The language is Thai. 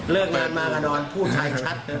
เลิกงานมากก็นอนพูดใช้ชัด